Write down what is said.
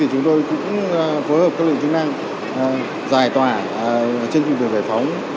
chúng tôi cũng phối hợp các lực chức năng giải tỏa trên trường tuyển vệ phóng